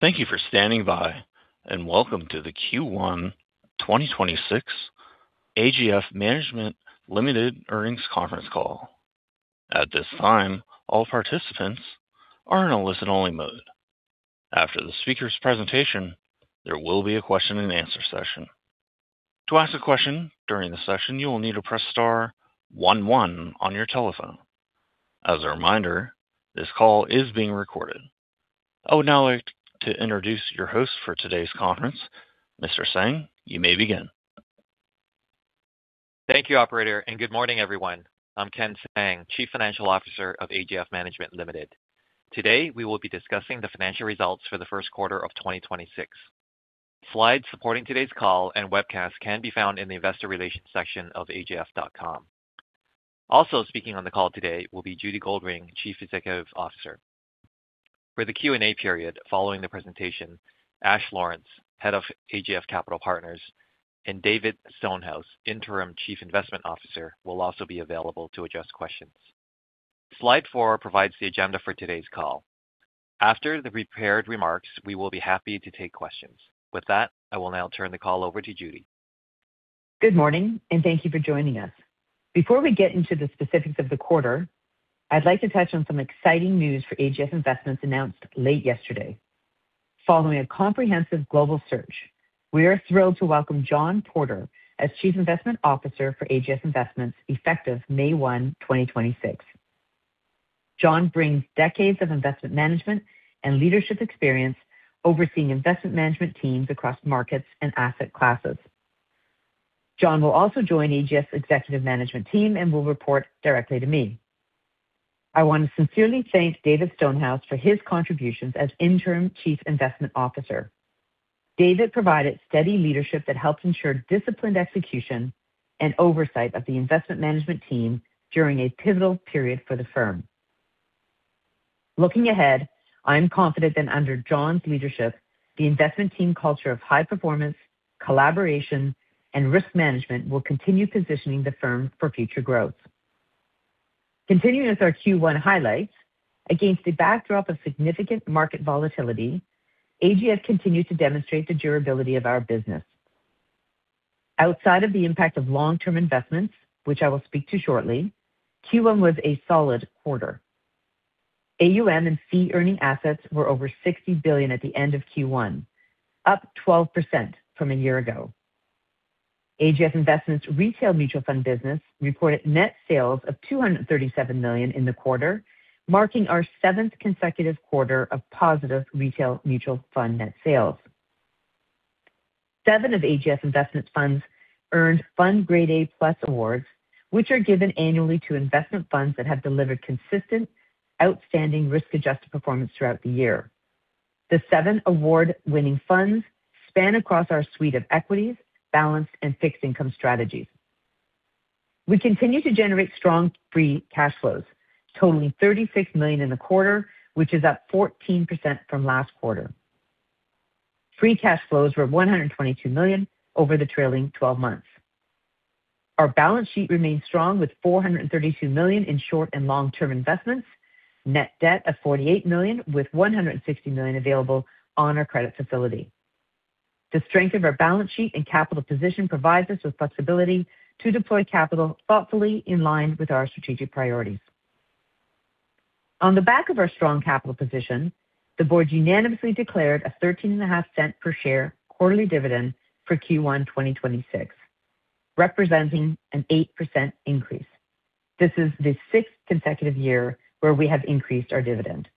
Thank you for standing by, and Welcome to the Q1 2026 AGF Management Limited earnings conference call. At this time, all participants are in a listen-only mode. After the speaker's presentation, there will be a question-and-answer session. To ask a question during the session, you will need to press star one one on your telephone. As a reminder, this call is being recorded. I would now like to introduce your host for today's conference, Mr. Tsang. You may begin. Thank you, operator. Good morning, everyone. I'm Ken Tsang, Chief Financial Officer of AGF Management Limited. Today, we will be discussing the financial results for the first quarter of 2026. Slides supporting today's call and webcast can be found in the Investor Relations section of agf.com. Also speaking on the call today will be Judy Goldring, Chief Executive Officer. For the Q&A period following the presentation, Ash Lawrence, Head of AGF Capital Partners, and David Stonehouse, Interim Chief Investment Officer, will also be available to address questions. Slide four provides the agenda for today's call. After the prepared remarks, we will be happy to take questions. With that, I will now turn the call over to Judy. Good morning, thank you for joining us. Before we get into the specifics of the quarter, I'd like to touch on some exciting news for AGF Investments announced late yesterday. Following a comprehensive global search, we are thrilled to welcome John Porter as Chief Investment Officer for AGF Investments, effective May 1, 2026. John brings decades of investment management and leadership experience overseeing investment management teams across markets and asset classes. John will also join AGF's Executive Management Team and will report directly to me. I want to sincerely thank David Stonehouse for his contributions as Interim Chief Investment Officer. David provided steady leadership that helped ensure disciplined execution and oversight of the investment management team during a pivotal period for the firm. Looking ahead, I am confident that under John's leadership, the investment team culture of high performance, collaboration, and risk management will continue positioning the firm for future growth. Continuing with our Q1 highlights, against the backdrop of significant market volatility, AGF continued to demonstrate the durability of our business. Outside of the impact of long-term investments, which I will speak to shortly, Q1 was a solid quarter. AUM and fee-earning assets were over 60 billion at the end of Q1, up 12% from a year ago. AGF Investments' retail mutual fund business reported net sales of 237 million in the quarter, marking our seventh consecutive quarter of positive retail mutual fund net sales. Seven of AGF's investment funds earned FundGrade A+ awards, which are given annually to investment funds that have delivered consistent, outstanding risk-adjusted performance throughout the year. The seven award-winning funds span across our suite of equities, balanced, and fixed income strategies. We continue to generate strong free cash flows, totaling 36 million in the quarter, which is up 14% from last quarter. Free cash flows were 122 million over the trailing 12 months. Our balance sheet remains strong, with 432 million in short and long-term investments, net debt of 48 million, with 160 million available on our credit facility. The strength of our balance sheet and capital position provides us with flexibility to deploy capital thoughtfully in line with our strategic priorities. On the back of our strong capital position, the Board unanimously declared a 0.135 per share quarterly dividend for Q1 2026, representing an 8% increase. This is the sixth consecutive year where we have increased our dividend.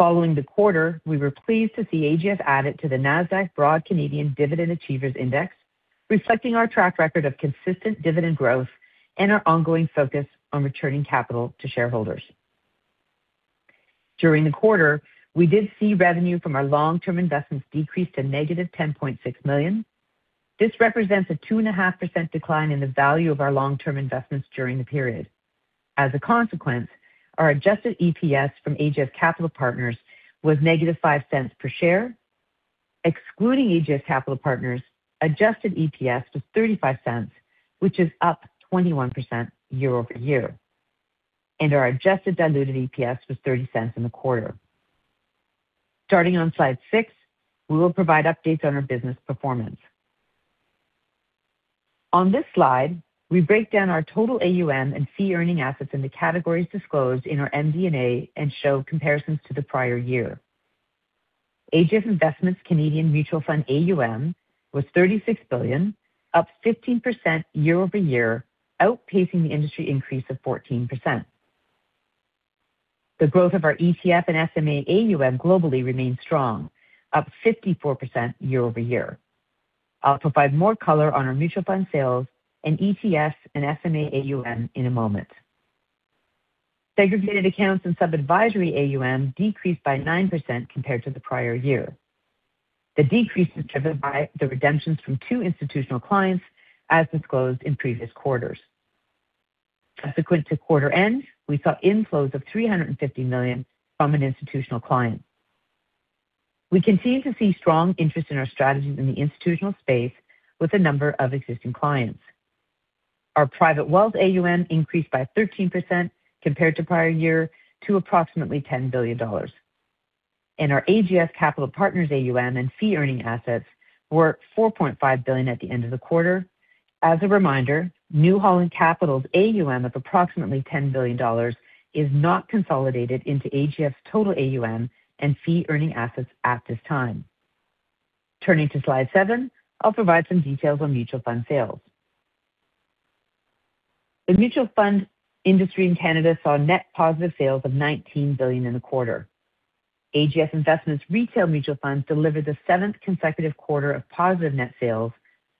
Following the quarter, we were pleased to see AGF added to the Nasdaq Broad Canadian Dividend Achievers Index, reflecting our track record of consistent dividend growth and our ongoing focus on returning capital to shareholders. During the quarter, we did see revenue from our long-term investments decrease to -10.6 million. This represents a 2.5% decline in the value of our long-term investments during the period. As a consequence, our Adjusted EPS from AGF Capital Partners was -0.05 per share. Excluding AGF Capital Partners Adjusted EPS was 0.35, which is up 21% year-over-year. Our Adjusted Diluted EPS was 0.30 in the quarter. Starting on slide six, we will provide updates on our business performance. On this slide, we break down our total AUM and fee-earning assets into categories disclosed in our MD&A and show comparisons to the prior year. AGF Investments' Canadian Mutual Fund AUM was 36 billion, up 15% year-over-year, outpacing the industry increase of 14%. The growth of our ETF and SMA AUM globally remains strong, up 54% year-over-year. I'll provide more color on our mutual fund sales and ETF and SMA AUM in a moment. Segregated accounts and sub-advisory AUM decreased by 9% compared to the prior year. The decrease is driven by the redemptions from two institutional clients, as disclosed in previous quarters. Consequent to quarter-end, we saw inflows of 350 million from an institutional client. We continue to see strong interest in our strategies in the institutional space with a number of existing clients. Our private wealth AUM increased by 13% compared to prior year to approximately 10 billion dollars. Our AGF Capital Partners AUM and fee-earning assets were 4.5 billion at the end of the quarter. As a reminder, New Holland Capital's AUM of approximately 10 billion dollars is not consolidated into AGF's total AUM and fee-earning assets at this time. Turning to slide seven, I'll provide some details on mutual fund sales. The mutual fund industry in Canada saw net positive sales of 19 billion in the quarter. AGF Investments retail mutual funds delivered the seventh consecutive quarter of positive net sales,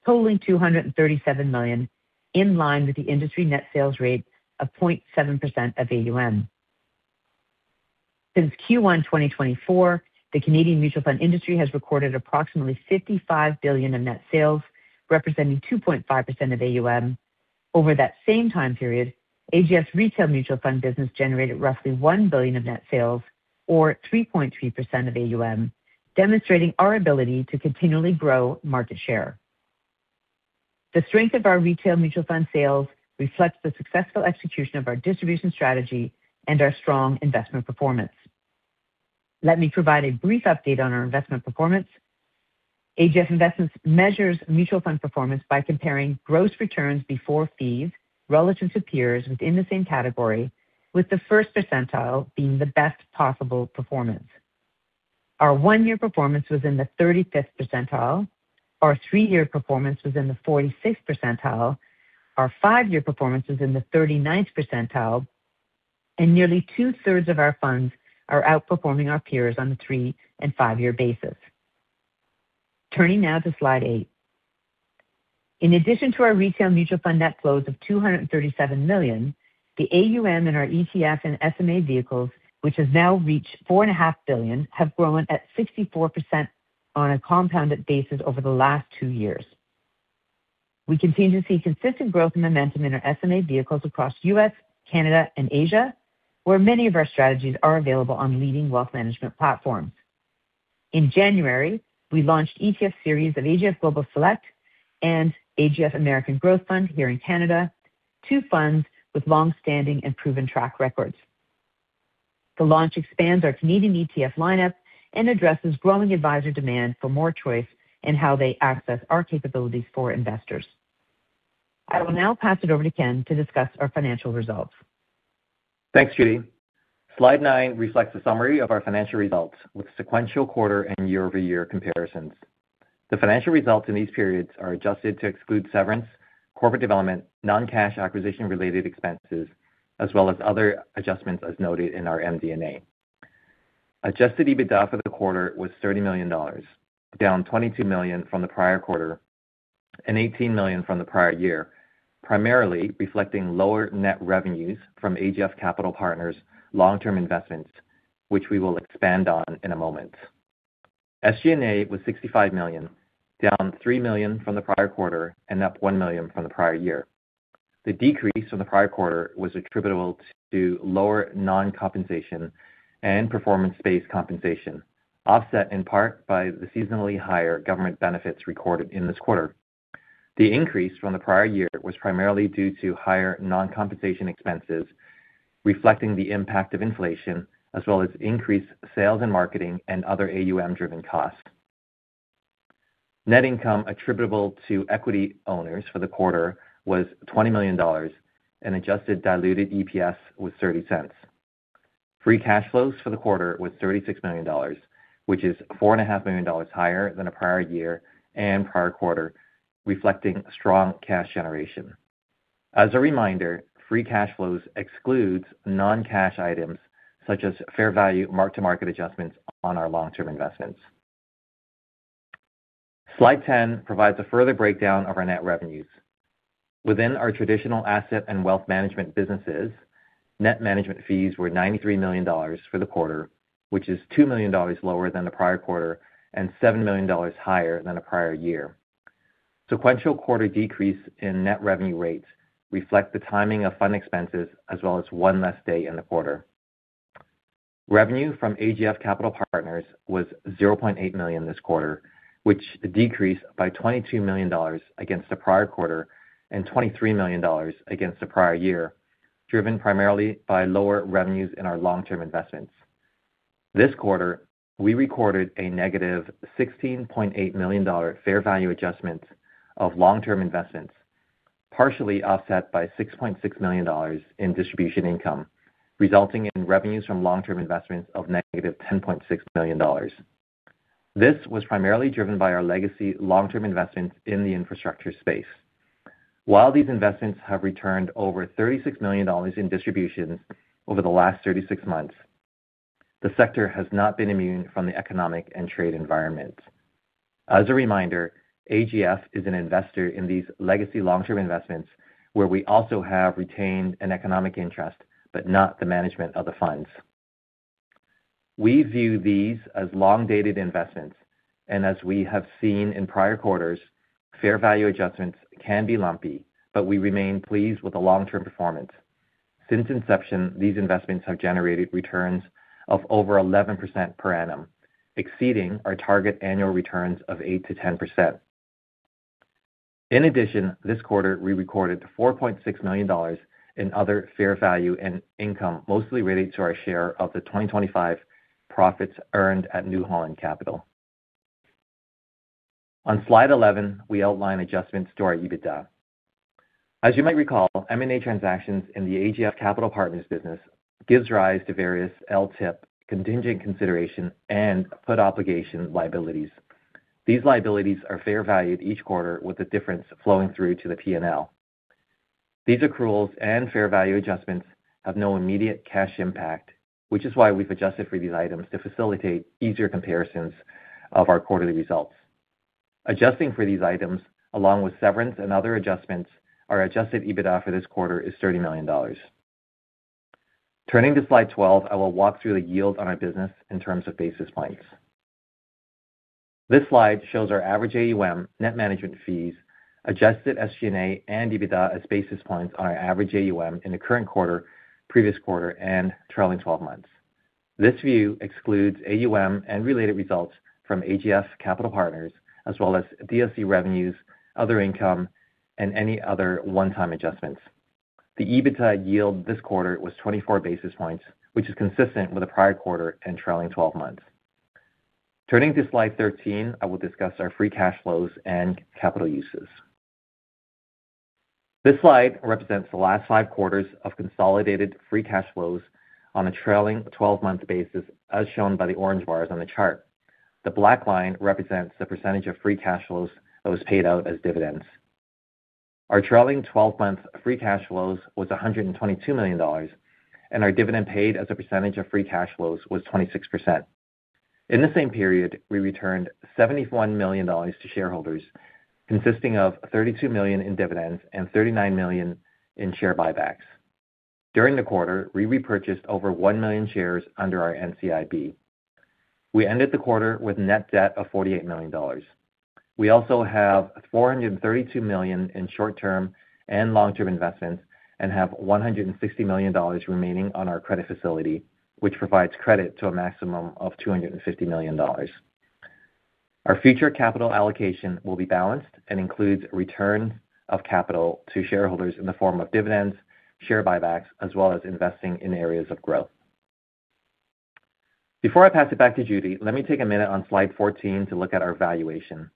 totaling 237 million, in line with the industry net sales rate of 0.7% of AUM. Since Q1 2024, the Canadian mutual fund industry has recorded approximately 55 billion of net sales, representing 2.5% of AUM. Over that same time period, AGF's retail mutual fund business generated roughly 1 billion of net sales, or 3.3% of AUM, demonstrating our ability to continually grow market share. The strength of our retail mutual fund sales reflects the successful execution of our distribution strategy and our strong investment performance. Let me provide a brief update on our investment performance. AGF Investments measures mutual fund performance by comparing gross returns before fees relative to peers within the same category, with the first percentile being the best possible performance. Our one-year performance was in the 35th percentile, our three-year performance was in the 46th percentile, our five-year performance was in the 39th percentile, and nearly 2/3 of our funds are outperforming our peers on the three and five-year basis. Turning now to slide eight. In addition to our retail mutual fund net flows of 237 million, the AUM in our ETF and SMA vehicles, which has now reached 4.5 billion, have grown at 64% on a compounded basis over the last two years. We continue to see consistent growth and momentum in our SMA vehicles across U.S., Canada, and Asia, where many of our strategies are available on leading wealth management platforms. In January, we launched ETF series of AGF Global Select and AGF American Growth Fund here in Canada, two funds with long-standing and proven track records. The launch expands our Canadian ETF lineup and addresses growing advisor demand for more choice in how they access our capabilities for investors. I will now pass it over to Ken to discuss our financial results. Thanks, Judy. Slide nine reflects a summary of our financial results with sequential quarter and year-over-year comparisons. The financial results in these periods are adjusted to exclude severance, corporate development, non-cash acquisition-related expenses, as well as other adjustments as noted in our MD&A. Adjusted EBITDA for the quarter was 30 million dollars, down 22 million from the prior quarter, and 18 million from the prior year, primarily reflecting lower net revenues from AGF Capital Partners long-term investments, which we will expand on in a moment. SG&A was 65 million, down 3 million from the prior quarter and up 1 million from the prior year. The decrease from the prior quarter was attributable to lower non-compensation and performance-based compensation, offset in part by the seasonally higher government benefits recorded in this quarter. The increase from the prior year was primarily due to higher non-compensation expenses, reflecting the impact of inflation, as well as increased sales and marketing and other AUM-driven costs. Net income attributable to equity owners for the quarter was 20 million dollars, and adjusted diluted EPS was 30 cents. Free cash flows for the quarter was 36 million dollars, which is 4.5 million dollars higher than the prior year and prior quarter, reflecting strong cash generation. As a reminder, free cash flows excludes non-cash items such as fair value mark-to-market adjustments on our long-term investments. Slide 10 provides a further breakdown of our net revenues. Within our traditional asset and wealth management businesses, net management fees were 93 million dollars for the quarter, which is 2 million dollars lower than the prior quarter and 7 million dollars higher than the prior year. Sequential quarter decrease in net revenue rates reflect the timing of fund expenses as well as one less day in the quarter. Revenue from AGF Capital Partners was 0.8 million this quarter, which decreased by 22 million dollars against the prior quarter and 23 million dollars against the prior year, driven primarily by lower revenues in our long-term investments. This quarter, we recorded a -16.8 million dollar fair value adjustment of long-term investments, partially offset by 6.6 million dollars in distribution income, resulting in revenues from long-term investments of -10.6 million dollars. This was primarily driven by our legacy long-term investments in the infrastructure space. While these investments have returned over 36 million dollars in distributions over the last 36 months, the sector has not been immune from the economic and trade environment. As a reminder, AGF is an investor in these legacy long-term investments where we also have retained an economic interest, but not the management of the funds. We view these as long-dated investments, and as we have seen in prior quarters, fair value adjustments can be lumpy, but we remain pleased with the long-term performance. Since inception, these investments have generated returns of over 11% per annum, exceeding our target annual returns of 8%-10%. In addition, this quarter we recorded 4.6 million dollars in other fair value and income, mostly related to our share of the 2025 profits earned at New Holland Capital. On slide 11, we outline adjustments to our EBITDA. As you might recall, M&A transactions in the AGF Capital Partners business gives rise to various LTIP contingent consideration and put obligation liabilities. These liabilities are fair valued each quarter with the difference flowing through to the P&L. These accruals and fair value adjustments have no immediate cash impact, which is why we've adjusted for these items to facilitate easier comparisons of our quarterly results. Adjusting for these items, along with severance and other adjustments, our Adjusted EBITDA for this quarter is 30 million dollars. Turning to slide 12, I will walk through the yield on our business in terms of basis points. This slide shows our average AUM net management fees, adjusted SG&A and EBITDA as basis points on our average AUM in the current quarter, previous quarter and trailing 12 months. This view excludes AUM and related results from AGF Capital Partners, as well as DSC revenues, other income, and any other one-time adjustments. The EBITDA yield this quarter was 24 basis points, which is consistent with the prior quarter and trailing 12 months. Turning to slide 13, I will discuss our free cash flows and capital uses. This slide represents the last five quarters of consolidated free cash flows on a trailing 12-month basis, as shown by the orange bars on the chart. The black line represents the percentage of free cash flows that was paid out as dividends. Our trailing 12-month free cash flows was 122 million dollars, and our dividend paid as a percentage of free cash flows was 26%. In the same period, we returned 71 million dollars to shareholders, consisting of 32 million in dividends and 39 million in share buybacks. During the quarter, we repurchased over one million shares under our NCIB. We ended the quarter with net debt of 48 million dollars. We also have 432 million in short-term and long-term investments and have 150 million dollars remaining on our credit facility, which provides credit to a maximum of 250 million dollars. Our future capital allocation will be balanced and includes return of capital to shareholders in the form of dividends, share buybacks, as well as investing in areas of growth. Before I pass it back to Judy, let me take a minute on slide 14 to look at our valuation.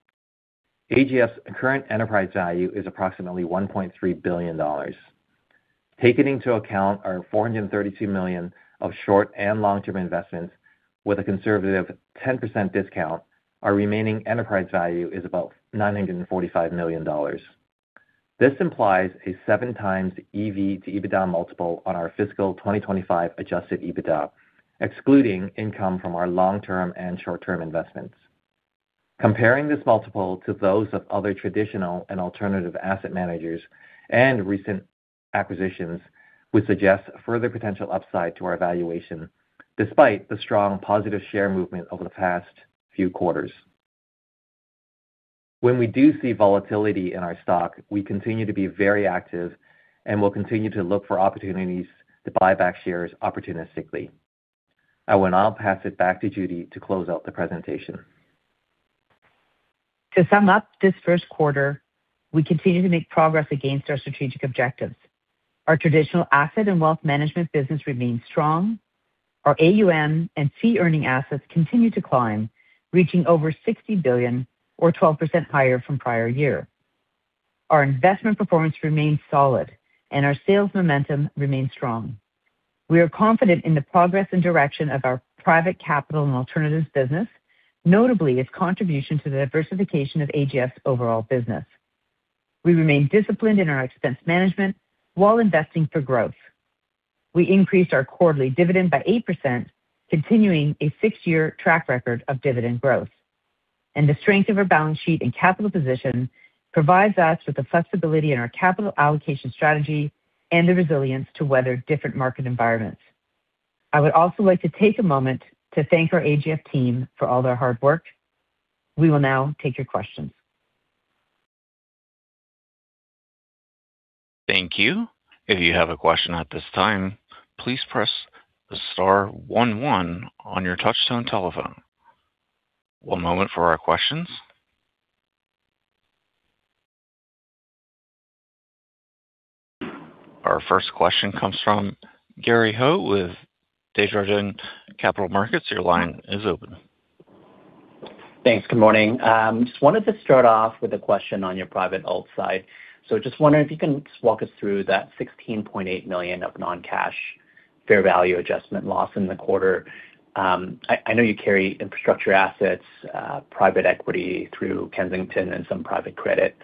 AGF's current enterprise value is approximately 1.3 billion dollars. Taking into account our 432 million of short and long-term investments with a conservative 10% discount, our remaining enterprise value is about 945 million dollars. This implies a 7x EV to EBITDA multiple on our fiscal 2025 Adjusted EBITDA, excluding income from our long-term and short-term investments. Comparing this multiple to those of other traditional and alternative asset managers and recent acquisitions would suggest further potential upside to our valuation, despite the strong positive share movement over the past few quarters. When we do see volatility in our stock, we continue to be very active and will continue to look for opportunities to buy back shares opportunistically. I will now pass it back to Judy to close out the presentation. To sum up this first quarter, we continue to make progress against our strategic objectives. Our traditional asset and wealth management business remains strong. Our AUM and fee-earning assets continue to climb, reaching over 60 billion or 12% higher from prior year. Our investment performance remains solid, and our sales momentum remains strong. We are confident in the progress and direction of our private capital and alternatives business, notably its contribution to the diversification of AGF's overall business. We remain disciplined in our expense management while investing for growth. We increased our quarterly dividend by 8%, continuing a six-year track record of dividend growth. The strength of our balance sheet and capital position provides us with the flexibility in our capital allocation strategy and the resilience to weather different market environments. I would also like to take a moment to thank our AGF team for all their hard work. We will now take your questions. Thank you. If you have a question at this time, please press star one one on your touch-tone telephone. One moment for our questions. Our first question comes from Gary Ho with Desjardins Capital Markets. Your line is open. Thanks. Good morning. Just wanted to start off with a question on your private alt side. Just wondering if you can walk us through that 16.8 million of non-cash fair value adjustment loss in the quarter. I know you carry infrastructure assets, private equity through Kensington and some private credit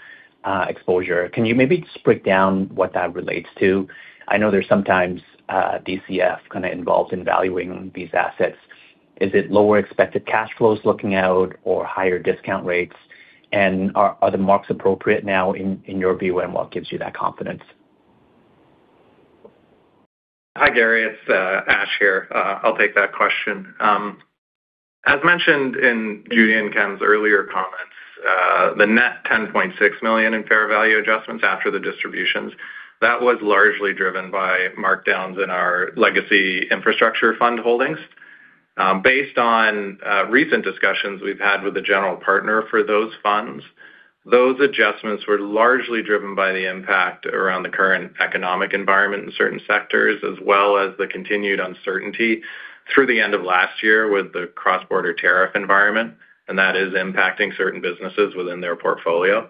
exposure. Can you maybe just break down what that relates to? I know there's sometimes DCF kind of involved in valuing these assets. Is it lower expected cash flows looking out or higher discount rates? Are the marks appropriate now in your view, and what gives you that confidence? Hi, Gary. It's Ash here. I'll take that question. As mentioned in Judy and Ken's earlier comments, the net 10.6 million in fair value adjustments after the distributions, that was largely driven by markdowns in our legacy infrastructure fund holdings. Based on recent discussions we've had with the general partner for those funds, those adjustments were largely driven by the impact around the current economic environment in certain sectors, as well as the continued uncertainty through the end of last year with the cross-border tariff environment, and that is impacting certain businesses within their portfolio.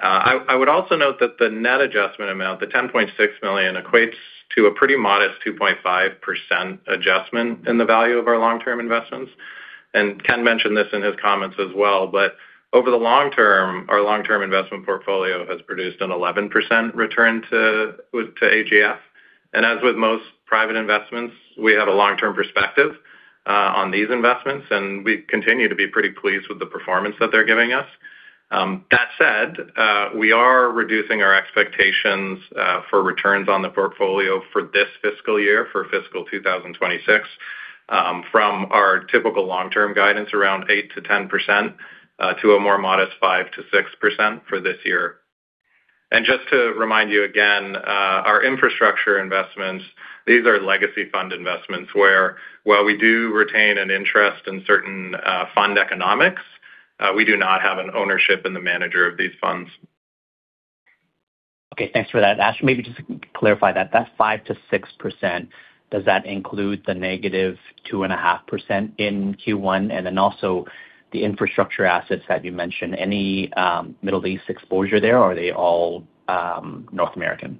I would also note that the net adjustment amount, the 10.6 million, equates to a pretty modest 2.5% adjustment in the value of our long-term investments. Ken mentioned this in his comments as well, but over the long term, our long-term investment portfolio has produced an 11% return to AGF. As with most private investments, we have a long-term perspective on these investments, and we continue to be pretty pleased with the performance that they're giving us. That said, we are reducing our expectations for returns on the portfolio for this fiscal year, for fiscal 2026, from our typical long-term guidance around 8%-10%, to a more modest 5%-6% for this year. Just to remind you again, our infrastructure investments, these are legacy fund investments where while we do retain an interest in certain fund economics, we do not have an ownership in the manager of these funds. Okay. Thanks for that, Ash. Maybe just to clarify that 5%-6%, does that include the -2.5% in Q1? Also the infrastructure assets that you mentioned, any Middle East exposure there, or are they all North American?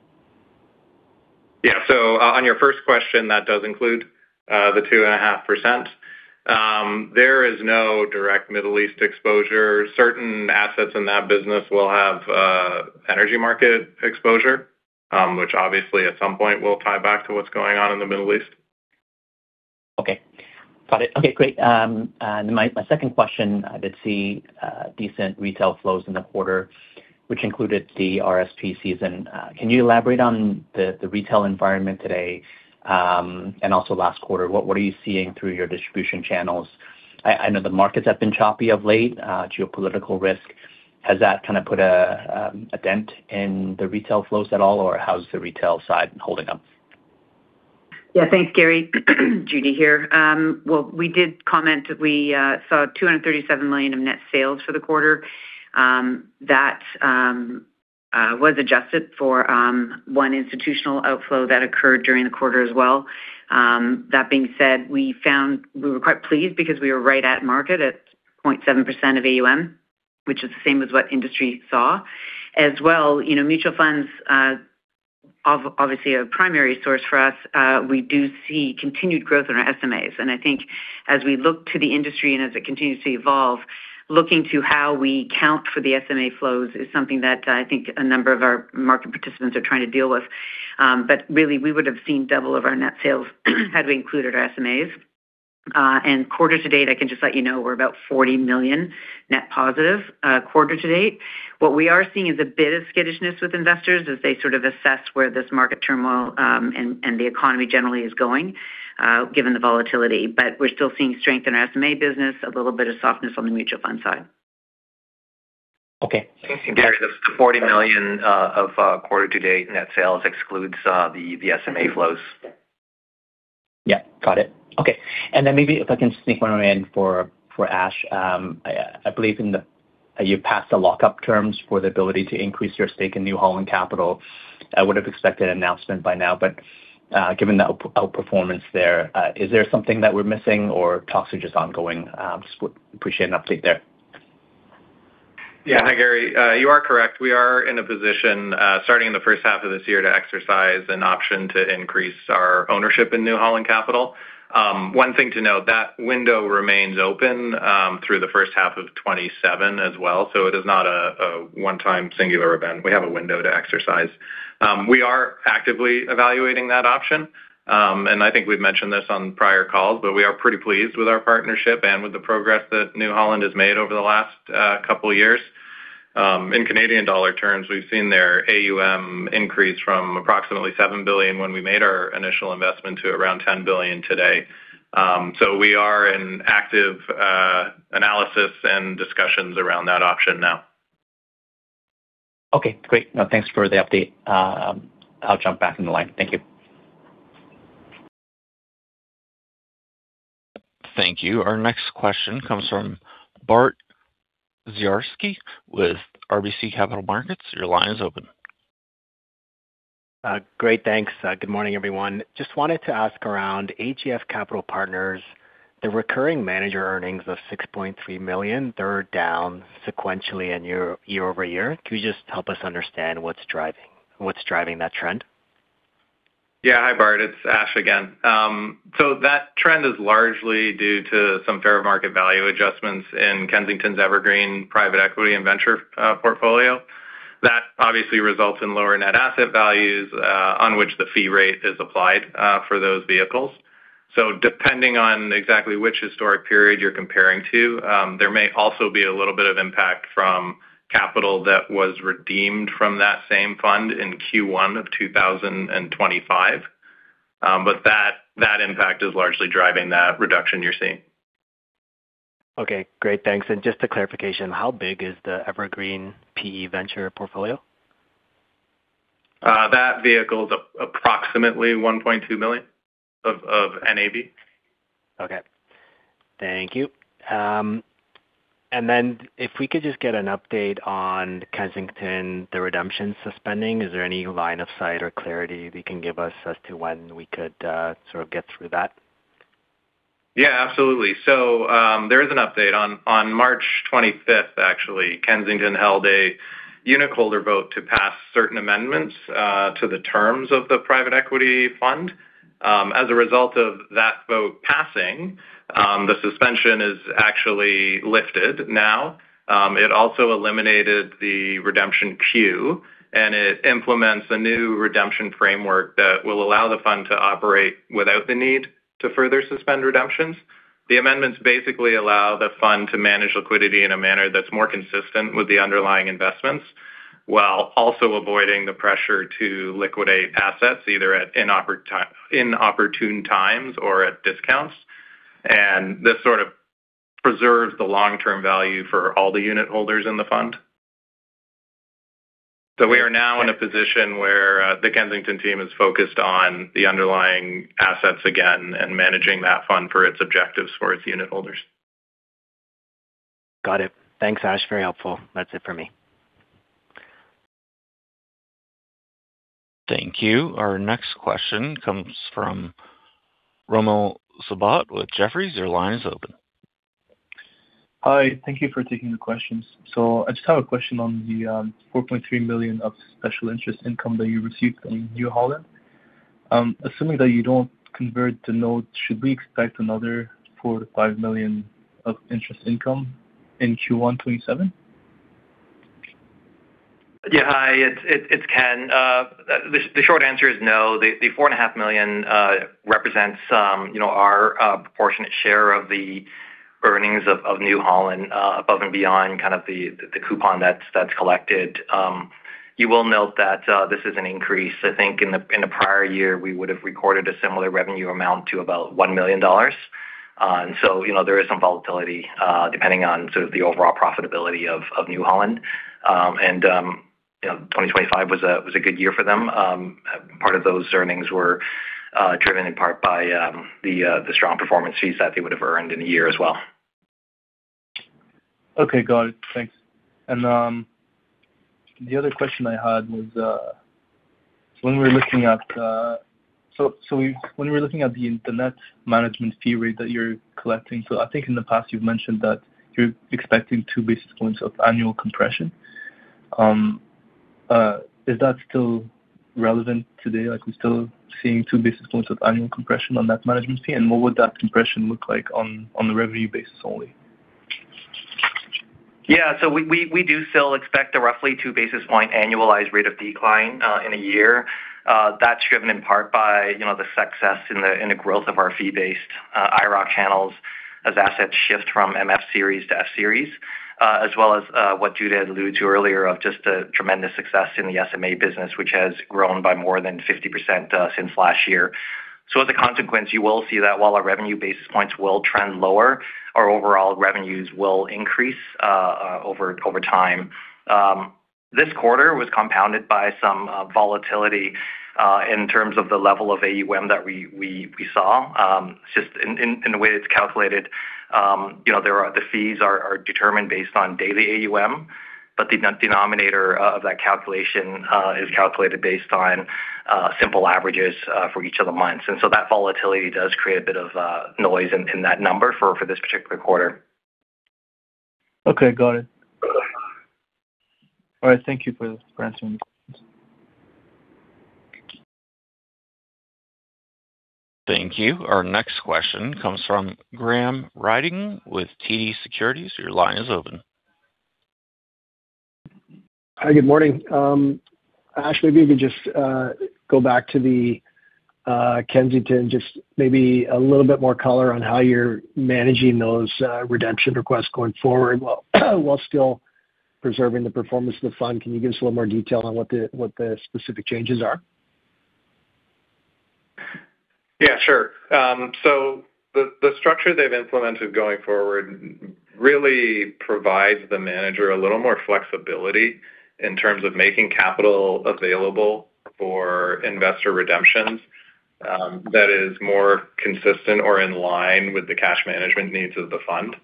Yeah. On your first question, that does include the 2.5%. There is no direct Middle East exposure. Certain assets in that business will have energy market exposure, which obviously at some point will tie back to what's going on in the Middle East. Okay. Got it. Okay, great. My second question, I did see decent retail flows in the quarter, which included the RSP season. Can you elaborate on the retail environment today, and also last quarter? What are you seeing through your distribution channels? I know the markets have been choppy of late, geopolitical risk. Has that put a dent in the retail flows at all, or how's the retail side holding up? Yeah, thanks, Gary. Judy here. Well, we did comment, we saw 237 million of net sales for the quarter. That was adjusted for one institutional outflow that occurred during the quarter as well. That being said, we found were quite pleased because we were right at market at 0.7% of AUM, which is the same as what industry saw. As well, mutual funds are obviously a primary source for us. We do see continued growth in our SMAs. I think as we look to the industry and as it continues to evolve, looking to how we count for the SMA flows is something that I think a number of our market participants are trying to deal with. Really, we would've seen double of our net sales had we included our SMAs. Quarter to date, I can just let you know we're about 40 million net positive quarter to date. What we are seeing is a bit of skittishness with investors as they sort of assess where this market turmoil, and the economy generally is going given the volatility. We're still seeing strength in our SMA business, a little bit of softness on the mutual fund side. Okay. Gary, the 40 million of quarter-to-date net sales excludes the SMA flows. Yeah, got it. Okay. Maybe if I can sneak one more in for Ash. I believe you've passed the lock-up terms for the ability to increase your stake in New Holland Capital. I would've expected an announcement by now, but given the outperformance there, is there something that we're missing or talks are just ongoing? Just would appreciate an update there. Yeah. Hi, Gary. You are correct. We are in a position, starting in the first half of this year, to exercise an option to increase our ownership in New Holland Capital. One thing to note, that window remains open through the first half of 2027 as well. It is not a one-time singular event. We have a window to exercise. We are actively evaluating that option. I think we've mentioned this on prior calls, but we are pretty pleased with our partnership and with the progress that New Holland has made over the last couple of years. In Canadian dollar terms, we've seen their AUM increase from approximately 7 billion when we made our initial investment to around 10 billion today. We are in active analysis and discussions around that option now. Okay, great. No, thanks for the update. I'll jump back in the line. Thank you. Thank you. Our next question comes from Bart Dziarski with RBC Capital Markets. Your line is open. Great. Thanks. Good morning, everyone. I just wanted to ask around AGF Capital Partners. The recurring manager earnings of 6.3 million, they're down sequentially and year-over-year. Could you just help us understand what's driving that trend? Yeah. Hi, Bart. It's Ash again. That trend is largely due to some fair market value adjustments in Kensington's Evergreen private equity and venture portfolio. That obviously results in lower net asset values, on which the fee rate is applied for those vehicles. Depending on exactly which historic period you're comparing to, there may also be a little bit of impact from capital that was redeemed from that same fund in Q1 of 2025. That impact is largely driving that reduction you're seeing. Okay, great. Thanks. Just a clarification, how big is the Evergreen PE venture portfolio? That vehicle's approximately 1.2 million of NAV. Okay. Thank you. If we could just get an update on Kensington, the redemption suspension, is there any line of sight or clarity that you can give us as to when we could sort of get through that? Yeah, absolutely. There is an update. On March 25th, actually, Kensington held a unitholder vote to pass certain amendments to the terms of the private equity fund. As a result of that vote passing, the suspension is actually lifted now. It also eliminated the redemption queue, and it implements a new redemption framework that will allow the fund to operate without the need to further suspend redemptions. The amendments basically allow the fund to manage liquidity in a manner that's more consistent with the underlying investments, while also avoiding the pressure to liquidate assets, either at inopportune times or at discounts. This sort of preserves the long-term value for all the unitholders in the fund. We are now in a position where the Kensington team is focused on the underlying assets again and managing that fund for its objectives for its unitholders. Got it. Thanks, Ash, very helpful. That's it for me. Thank you. Our next question comes from John Aiken with Jefferies. Your line is open. Hi. Thank you for taking the questions. I just have a question on the 4.3 million of special interest income that you received from New Holland. Assuming that you don't convert to notes, should we expect another 4 million-5 million of interest income in Q1 2027? Yeah. Hi, it's Ken Tsang. The short answer is no. The 4.5 million represents some our proportionate share of the earnings of New Holland above and beyond kind of the coupon that's collected. You will note that this is an increase. I think in the prior year, we would have recorded a similar revenue amount to about 1 million dollars. There is some volatility, depending on sort of the overall profitability of New Holland. 2025 was a good year for them. Part of those earnings were driven in part by the strong performance fees that they would have earned in the year as well. Okay, got it. Thanks. The other question I had was, when we're looking at the investment management fee rate that you're collecting, I think in the past you've mentioned that you're expecting 2 basis points of annual compression. Is that still relevant today? Are we still seeing two basis points of annual compression on that management fee? What would that compression look like on the revenue basis only? Yeah. We do still expect a roughly two basis point annualized rate of decline in a year. That's driven in part by the success and the growth of our fee-based IIROC channels as assets shift from MF series to F series, as well as what Judy alluded to earlier of just the tremendous success in the SMA business, which has grown by more than 50% since last year. As a consequence, you will see that while our revenue basis points will trend lower, our overall revenues will increase over time. This quarter was compounded by some volatility in terms of the level of AUM that we saw. Just in the way it's calculated, the fees are determined based on daily AUM, but the denominator of that calculation is calculated based on simple averages for each of the months. That volatility does create a bit of noise in that number for this particular quarter. Okay, got it. All right. Thank you for answering. Thank you. Our next question comes from Graham Ryding with TD Securities. Your line is open. Hi, good morning. Ash, maybe if you could just go back to the Kensington, just maybe a little bit more color on how you're managing those redemption requests going forward while still preserving the performance of the fund. Can you give us a little more detail on what the specific changes are? Yeah, sure. The structure they've implemented going forward really provides the manager a little more flexibility in terms of making capital available for investor redemptions that is more consistent or in line with the cash management needs of the fund.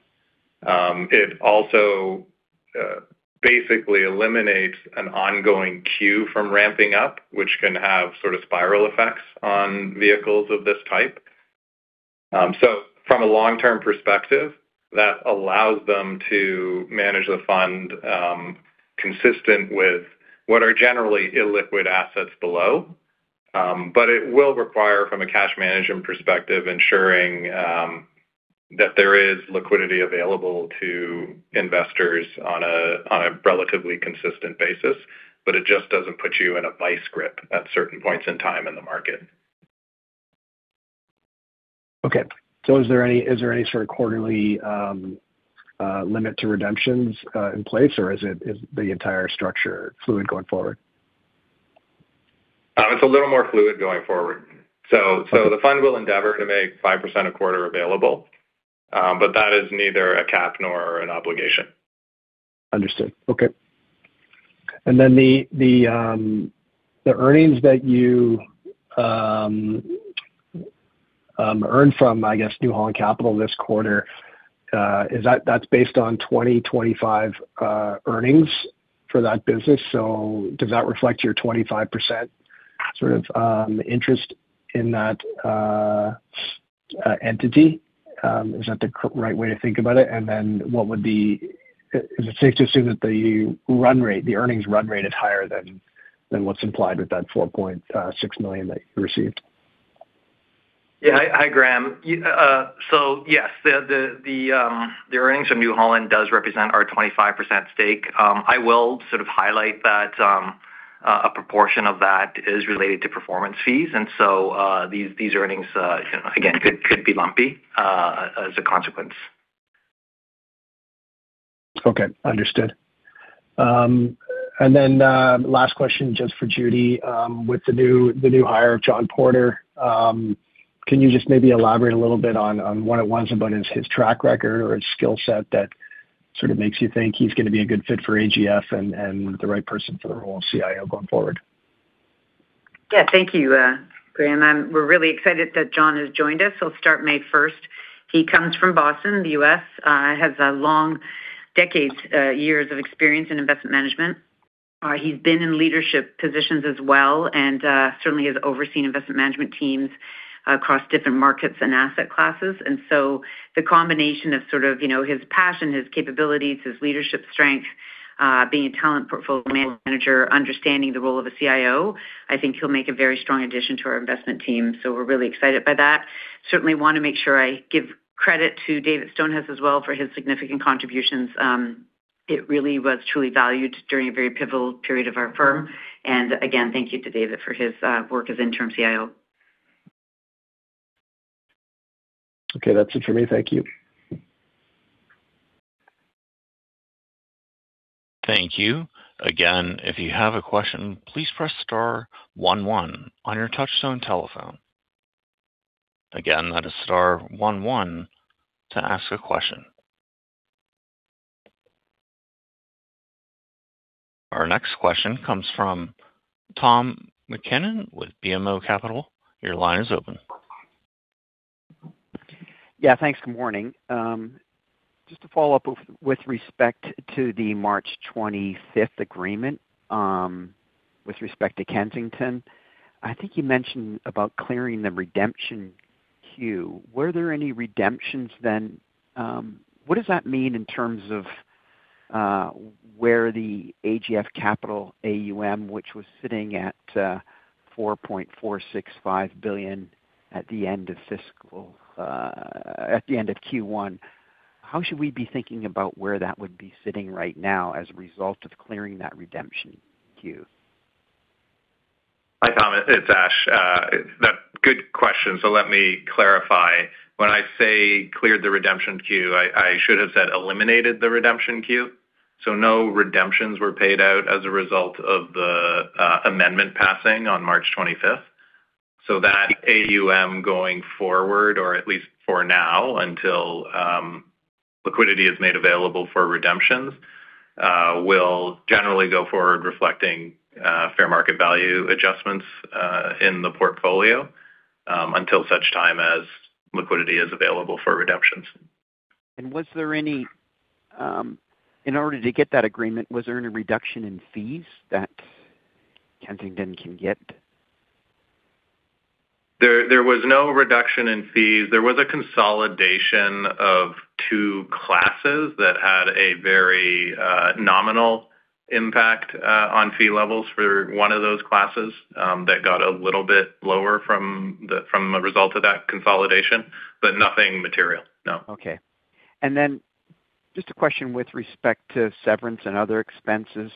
It also basically eliminates an ongoing queue from ramping up, which can have sort of spiral effects on vehicles of this type. From a long-term perspective, that allows them to manage the fund consistent with what are generally illiquid assets below. It will require, from a cash management perspective, ensuring that there is liquidity available to investors on a relatively consistent basis, but it just doesn't put you in a vise grip at certain points in time in the market. Okay. Is there any sort of quarterly limit to redemptions in place or is the entire structure fluid going forward? It's a little more fluid going forward. The fund will endeavor to make 5% a quarter available. That is neither a cap nor an obligation. Understood. Okay. The earnings that you earn from, I guess, New Holland Capital this quarter, that's based on 2025 earnings for that business. Does that reflect your 25% sort of interest in that entity? Is that the right way to think about it? Is it safe to assume that the earnings run rate is higher than what's implied with that 4.6 million that you received? Yeah. Hi, Graham. Yes, the earnings from New Holland does represent our 25% stake. I will sort of highlight that a proportion of that is related to performance fees. These earnings again could be lumpy as a consequence. Okay, understood. Last question, just for Judy. With the new hire of John Porter, can you just maybe elaborate a little bit on what it was about his track record or his skill set that sort of makes you think he's going to be a good fit for AGF and the right person for the role of CIO going forward? Yeah, thank you, Graham. We're really excited that John has joined us. He'll start May 1st. He comes from Boston, the U.S. He has decades, years of experience in investment management. He's been in leadership positions as well and certainly has overseen investment management teams across different markets and asset classes. The combination of sort of his passion, his capabilities, his leadership strength, being a talented portfolio manager, understanding the role of a CIO, I think he'll make a very strong addition to our investment team. We're really excited by that. I certainly want to make sure I give credit to David Stonehouse as well for his significant contributions. It really was truly valued during a very pivotal period of our firm. Again, thank you to David for his work as Interim CIO. Okay, that's it for me. Thank you. Thank you. Again, if you have a question, please press star one one on your touch-tone telephone. Again, that is star one one to ask a question. Our next question comes from Tom MacKinnon with BMO Capital. Your line is open. Yeah, thanks. Good morning. Just to follow up with respect to the March 25th agreement, with respect to Kensington, I think you mentioned about clearing the redemption queue. Were there any redemptions then? What does that mean in terms of where the AGF Capital AUM, which was sitting at 4.465 billion at the end of Q1, how should we be thinking about where that would be sitting right now as a result of clearing that redemption queue? Hi, Tom, it's Ash. Good question. Let me clarify. When I say cleared the redemption queue, I should have said eliminated the redemption queue. No redemptions were paid out as a result of the amendment passing on March 25th. That AUM going forward, or at least for now, until liquidity is made available for redemptions, will generally go forward reflecting fair market value adjustments in the portfolio, until such time as liquidity is available for redemptions. Is there any in order to get that agreement, was there any reduction in fees that Kensington can get? There was no reduction in fees. There was a consolidation of two classes that had a very nominal impact on fee levels for one of those classes that got a little bit lower from a result of that consolidation, but nothing material, no. Okay. Just a question with respect to severance and other expenses.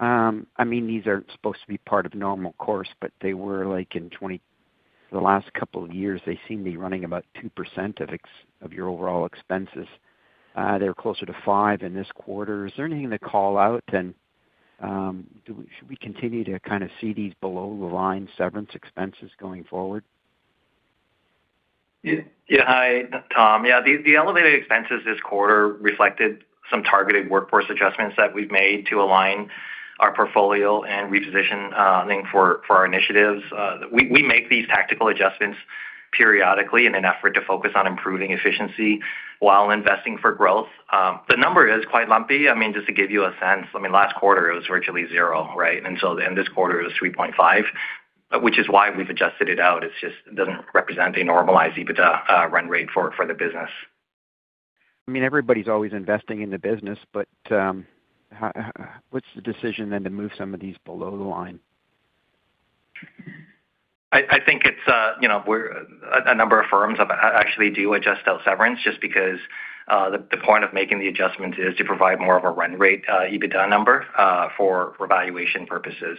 These are supposed to be part of normal course, but like in the last couple of years, they seem to be running about 2% of your overall expenses. They're closer to 5% in this quarter. Is there anything to call out and should we continue to kind of see these below-the-line severance expenses going forward? Yeah. Hi, Tom. Yeah, the elevated expenses this quarter reflected some targeted workforce adjustments that we've made to align our portfolio and repositioning for our initiatives. We make these tactical adjustments periodically in an effort to focus on improving efficiency while investing for growth. The number is quite lumpy. Just to give you a sense, last quarter it was virtually zero. Right? In this quarter it was 3.5, which is why we've adjusted it out. It doesn't represent a normalized EBITDA run rate for the business. Everybody's always investing in the business, but what's the decision then to move some of these below the line? I think a number of firms actually do adjust out severance just because the point of making the adjustment is to provide more of a run rate EBITDA number for valuation purposes.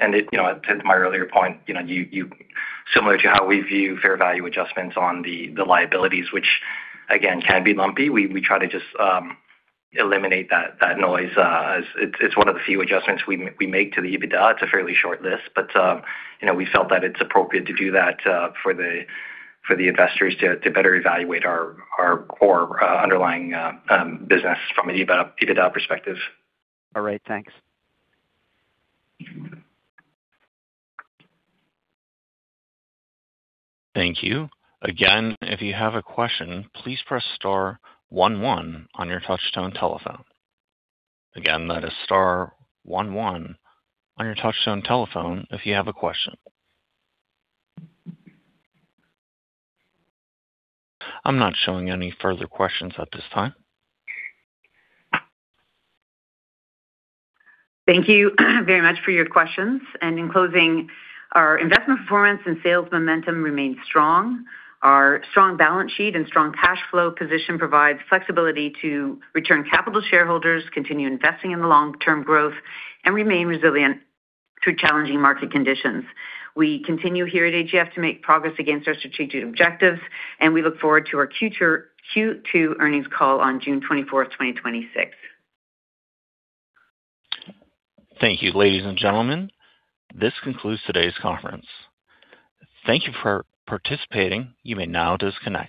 To my earlier point, similar to how we view fair value adjustments on the liabilities, which again, can be lumpy, we try to just eliminate that noise as it's one of the few adjustments we make to the EBITDA. It's a fairly short list, but we felt that it's appropriate to do that for the investors to better evaluate our core underlying business from an EBITDA perspective. All right. Thanks. Thank you. Again, if you have a question, please press star one one on your touch-tone telephone. Again, that is star one one on your touch-tone telephone if you have a question. I'm not showing any further questions at this time. Thank you very much for your questions. In closing, our investment performance and sales momentum remain strong. Our strong balance sheet and strong cash flow position provides flexibility to return capital to shareholders, continue investing in the long-term growth, and remain resilient through challenging market conditions. We continue here at AGF to make progress against our strategic objectives, and we look forward to our Q2 earnings call on June 24th, 2026. Thank you. Ladies and gentlemen, this concludes today's conference. Thank you for participating. You may now disconnect.